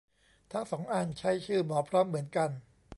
ทั้งสองอันใช้ชื่อ หมอพร้อม เหมือนกัน